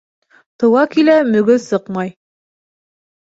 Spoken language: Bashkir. Тыуа килә мөгөҙ сыҡмай